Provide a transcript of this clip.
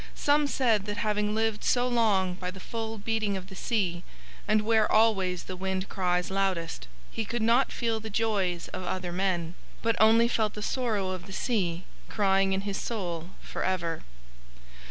Some said that having lived so long by the full beating of the sea, and where always the wind cries loudest, he could not feel the joys of other men, but only felt the sorrow of the sea crying in his soul for ever.